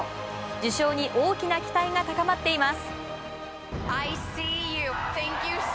受賞に大きな期待が高まっています。